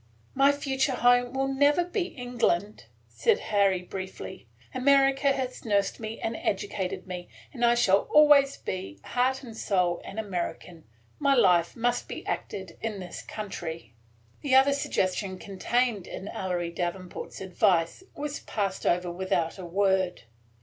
"My future home will never be England," said Harry, briefly. "America has nursed me and educated me, and I shall always be, heart and soul, an American. My life must be acted in this country." The other suggestion contained in Ellery Davenport's advice was passed over without a word.